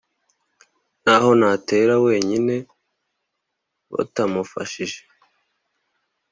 na ho natera wenyine batamufashije,